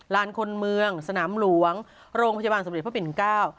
ลานคนเมืองสนามหลวงโรงพยาบาลสมเด็จพระปิ่นเก้า